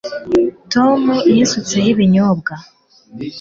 Tom yisutseho ibinyobwa